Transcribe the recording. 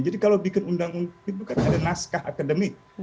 jadi kalau bikin undang undang itu kan ada naskah akademik